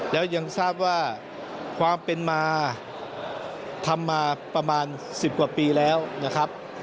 แล้วยังทราบว่าความเป็นมาทำมาประมาณ๑๐กว่าปีแล้วนะครับ